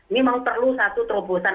memang perlu satu terobosan